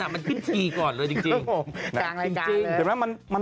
มันขึ้นทีก่อนเลยจริง